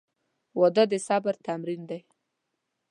• واده د صبر تمرین دی.